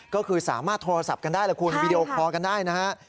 ก็คือสามารถโทรศัพท์กันได้ละคุณวีดีโอคอร์กันได้นะฮะ